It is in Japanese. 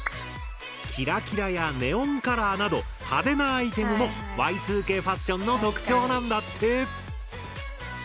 キラキラやネオンカラーなど派手なアイテムもＹ２Ｋファッションの特徴なんだって。